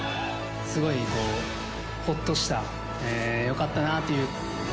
すごいほっとした、よかったなという。